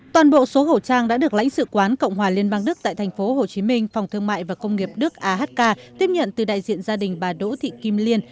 toàn bộ số khẩu trang đã được lãnh sự quán cộng hòa liên bang đức tại tp hcm phòng thương mại và công nghiệp đức ahk tiếp nhận từ đại diện gia đình bà đỗ thị kim liên